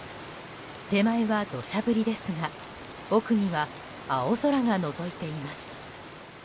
手前は土砂降りですが奥には青空がのぞいています。